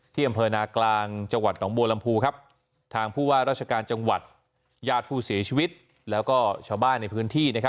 อำเภอนากลางจังหวัดหนองบัวลำพูทางผู้ว่าราชการจังหวัดญาติผู้เสียชีวิตแล้วก็ชาวบ้านในพื้นที่